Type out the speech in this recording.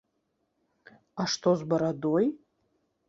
А што з барадой?